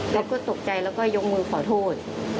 ก็ตกใจแล้วก็ยกมือขอโทษ